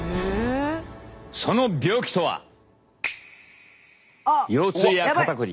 その病気とは。えっ！